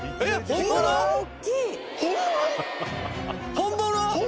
本物！？